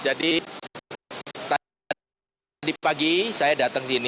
jadi tadi pagi saya datang sini